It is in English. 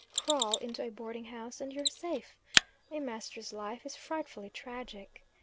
Crawl into a boarding house and you're safe. A master's life is frightfully tragic.